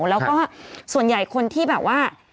แล้วก็ส่วนใหญ่คนที่แบบว่า